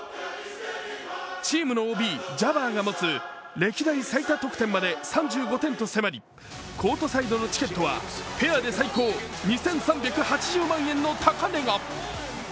チームのＯＢジャバーが持つ歴代最多得点まで３５点と迫りコートサイドのチケットはペアで最高２３８０万円の高値が。